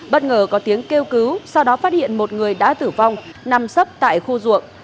bất ngờ có tiếng kêu cứu sau đó phát hiện một người đã tử vong nằm sấp tại khu ruộng